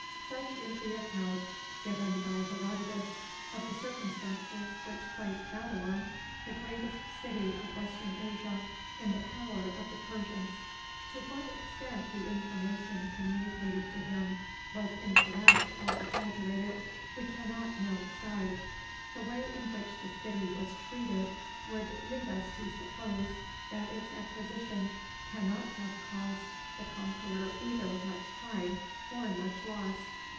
Such is the account given by Herodotus of the circumstances which placed Babylon the greatest city of Western Asia in the power of the Persians. To what extent the information communicated to him was incorrect or exaggerated, we cannot now decide. The way in which the city was treated would lead us to suppose that its acquisition cannot have cost the conqueror either much time or much loss.